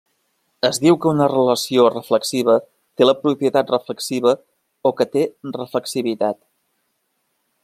Es diu que una relació reflexiva té la propietat reflexiva o que té reflexivitat.